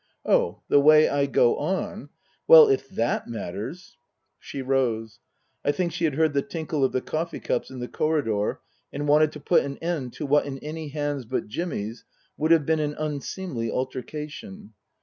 " Oh the way I go on Well, if that matters " She rose. I think she had heard the tinkle of the coffee cups in the corridor and wanted to put an end to what in any hands but Jimmy's would have been an unseemly alter cation.